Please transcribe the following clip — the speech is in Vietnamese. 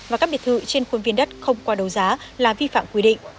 và các biệt thự trên khuôn viên đất không qua đấu giá là vi phạm quy định